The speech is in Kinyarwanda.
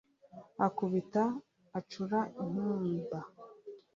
akubita acura inkumba